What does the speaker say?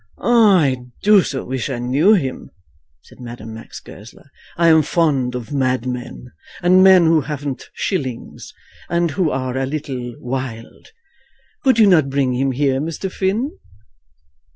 "I do so wish I knew him," said Madame Max Goesler. "I am fond of madmen, and men who haven't shillings, and who are a little wild, Could you not bring him here, Mr. Finn?"